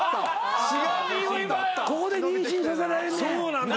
ここで妊娠させられんねん。